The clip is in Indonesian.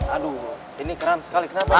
aduh ini keren sekali kenapa